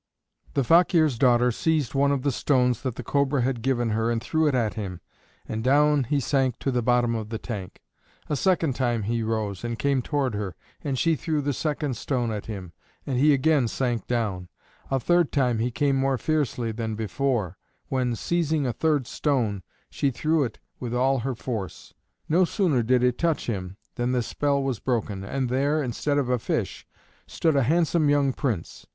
The Fakeer's daughter seized one of the stones that the Cobra had given her and threw it at him, and down he sank to the bottom of the tank; a second time he rose and came toward her, and she threw the second stone at him, and he again sank down; a third time he came more fiercely than before, when, seizing a third stone, she threw it with all her force. No sooner did it touch him than the spell was broken, and there, instead of a fish, stood a handsome young Prince.